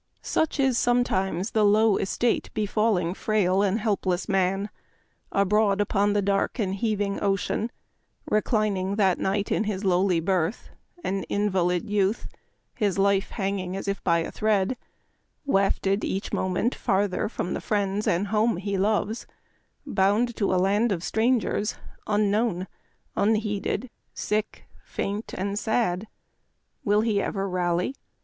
Such is sometimes the " low estate " befalling frail and helpless man — abroad upon the dark and heaving ocean, reclining that night in his lowly berth, an invalid youth — his life hanging as if by a thread — wafted each moment farther from the friends and home he loves, bound to a land of strangers, unknown, unheeded, sick, faint, and sad. Will he ever rally